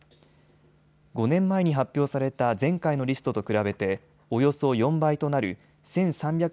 ５年前に発表された前回のリストと比べておよそ４倍となる１３００